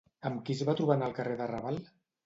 Amb qui es van trobar en el carrer de Raval?